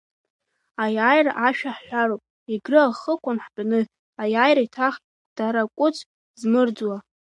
Аиааира ашәа ҳҳәароуп, Егры ахықәан ҳтәаны, аиааира еиҭагь ҳдаракәыц змырӡуа.